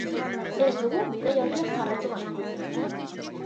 Ez dugu bidaia-orria jarraitzeko asmorik.